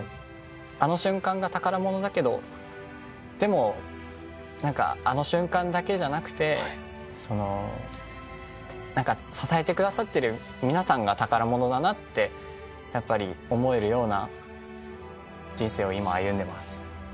あの瞬間が宝物だけどでもあの瞬間だけじゃなくて支えてくださってる皆さんが宝物だなって思えるような人生を今歩んでます。